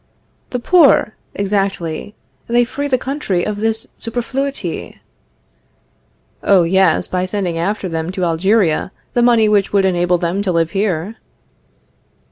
The poor! Exactly; they free the country of this superfluity. Oh, yes, by sending after them to Algeria the money which would enable them to live here.